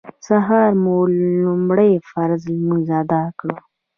سهار مو لومړی فرض لمونځ اداء کړ.